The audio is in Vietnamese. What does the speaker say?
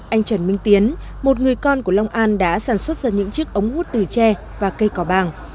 anh trần minh tiến một người con của long an đã sản xuất ra những chiếc ống hút từ tre và cây cỏ bàng